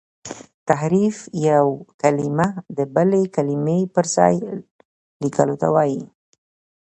تحريف یو کلمه د بلي کلمې پر ځای لیکلو ته وايي.